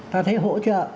ta thấy hỗ trợ